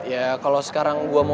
ya kalau sekarang gue mau